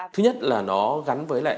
thứ nhất là nó gắn với lại